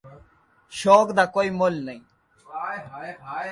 شوق دا کوئ مُل نہیں۔